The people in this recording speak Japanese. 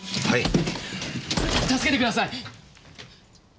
はい！